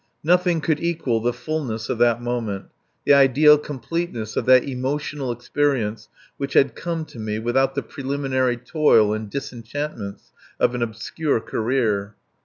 Nothing could equal the fullness of that moment, the ideal completeness of that emotional experience which had come to me without the preliminary toil and disenchantments of an obscure career.